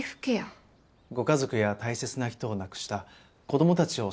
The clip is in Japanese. ご家族や大切な人を亡くした子どもたちをサポートする会です。